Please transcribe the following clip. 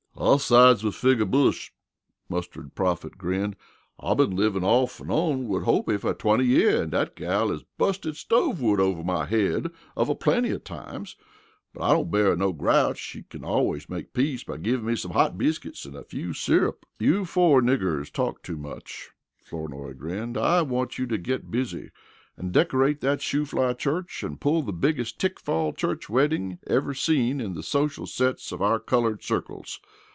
"I sides wid Figger Bush," Mustard Prophet grinned. "I been livin' off an' on wid Hopey fer twenty year, an' dat gal is busted stovewood over my head off an' on plenty of times, but I don't bear her no grouch. She kin always make peace by givin' me some hot biskits an' a few sirup." "You four niggers talk too much," Flournoy grinned. "I want you to get busy and decorate that Shoofly Church and pull the biggest Tickfall church wedding ever seen in the social sets of our colored circles.